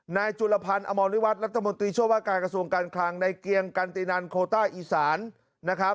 นายจุลพันธ์อมรวิวัตรรัฐมนตรีช่วยว่าการกระทรวงการคลังในเกียงกันตินันโคต้าอีสานนะครับ